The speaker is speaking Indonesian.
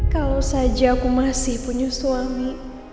kalau saja aku masih punya suami